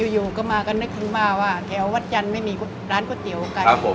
อยู่ก็มากันนึกข้างว่าแถววัดจันทร์ไม่มีร้านก๋วยเตี๋ยวไก่